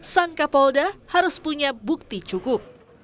sang kapolda harus punya bukti cukup